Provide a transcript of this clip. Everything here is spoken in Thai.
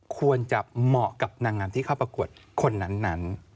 เหมาะกับนางงามที่เข้าประกวดคนนั้น